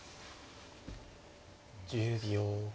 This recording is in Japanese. １０秒。